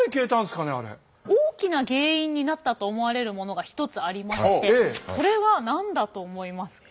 大きな原因になったと思われるものが１つありましてそれは何だと思いますか？